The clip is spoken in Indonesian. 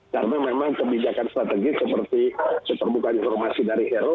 karena memang kebijakan strategis seperti seperbuka informasi dari hero